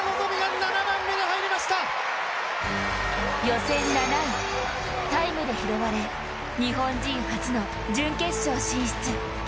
予選７位、タイムで拾われ、日本人初の準決勝進出。